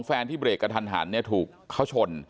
สวัสดีครับทุกคน